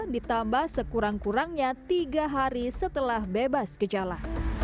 ditambah sekurang kurangnya tiga hari setelah bebas gejala